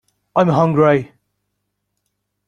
I am hungry.